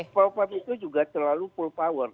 pro pump itu juga terlalu full power